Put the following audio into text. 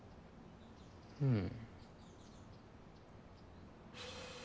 うん。